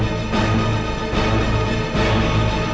laki laki akan jenguk